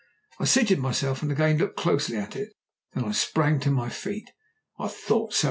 I seated myself and again looked closely at it. Then I sprang to my feet. "I thought so!"